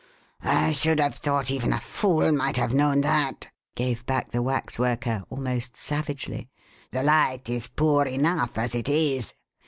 "I should have thought even a fool might have known that!" gave back the waxworker, almost savagely. "The light is poor enough as it is.